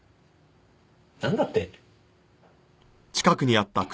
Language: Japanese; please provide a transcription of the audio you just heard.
なんだって？